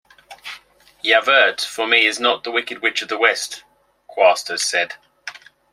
"Javert for me is not the Wicked Witch of the West," Quast has said.